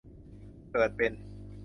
เกิดเป็น